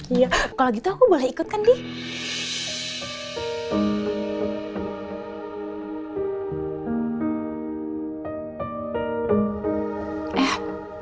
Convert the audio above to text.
iya kalau gitu aku boleh ikut kan dih